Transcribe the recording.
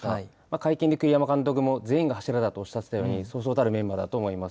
会見で栗山監督も全員が柱だとおっしゃっていたように、そうそうたるメンバーだと思います。